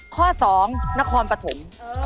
ข้อสองนครปฐม